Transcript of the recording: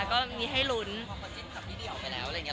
ก็มีให้ลุ้นเพราะเขาจิ้นกับพี่เดี่ยวไปแล้วอะไรอย่างนี้